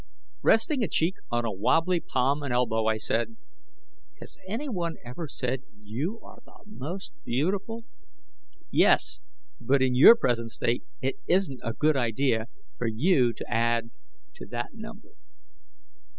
Resting a cheek on a wobbly palm and elbow, I said, "Has everyone ever said you are the most beautiful " "Yes, but in your present state, it isn't a good idea for you to add to that number."